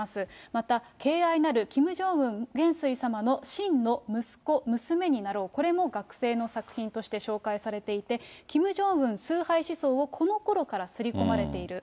また、敬愛なるキム・ジョンウン元帥様の真の息子、娘になろう、これも学生の作品として紹介されていて、キム・ジョンウン崇拝思想をこのころから刷り込まれている。